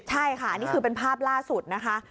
ใช่ค่ะอันนี้คือเป็นภาพล่าสุดนะคะ